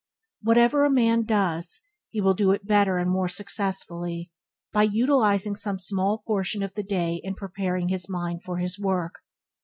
Whatever a man does, he will do it better and more successfully by utilizing some small portion of the day in preparing his mind for his work.